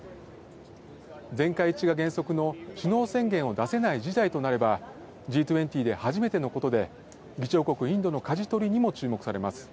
全会一致が原則の首脳宣言を出せない事態となれば、Ｇ２０で初めてのことで、議長国インドのかじ取りにも注目されます。